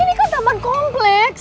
ini kan taman kompleks